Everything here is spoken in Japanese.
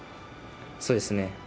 そうですね。